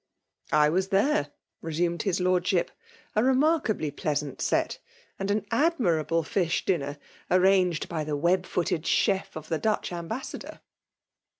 " I was there," resumed his lordship. ^' A r^narkably {feasant set;— and an admirable fish dinner, arranged by the web footed chef of the Dutch ambassador."